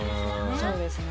そうですね。